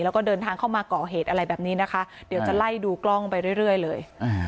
แล้วก็เดินทางเข้ามาก่อเหตุอะไรแบบนี้นะคะเดี๋ยวจะไล่ดูกล้องไปเรื่อยเลย